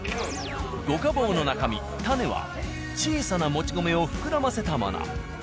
御家寶の中身種は小さなもち米を膨らませたもの。